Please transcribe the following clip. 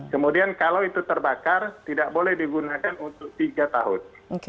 kemudian kalau itu terbakar tidak boleh digunakan untuk tiga tahun